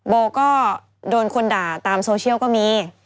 โบก็โดนคนด่าตามโซเชียลก็มี